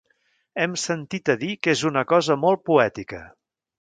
Hem sentit a dir que és una cosa molt poètica